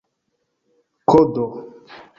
kodo